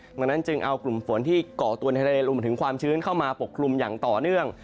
ดังนั้นจึงเอากลุ่มฝนที่เกาะตัวในทะเลรวมถึงความชื้นเข้ามาปกคลุมอย่างต่อเนื่อง